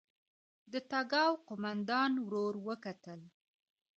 د تګاو قوماندان ورور وکتل.